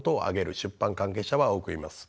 出版関係者は多くいます。